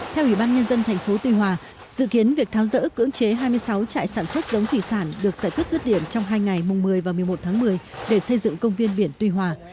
theo ubnd tp tuy hòa dự kiến việc tháo rỡ cưỡng chế hai mươi sáu trại sản xuất giống thủy sản được giải quyết dứt điểm trong hai ngày mùng một mươi và một mươi một tháng một mươi để xây dựng công viên biển tuy hòa